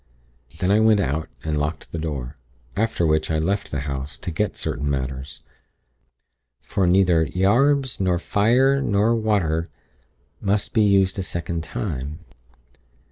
Then I went out and locked the door; after which I left the house, to get certain matters, for neither 'yarbs nor fyre nor waier' must be used a second time.